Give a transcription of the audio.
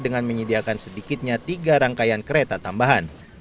dengan menyediakan sedikitnya tiga rangkaian kereta tambahan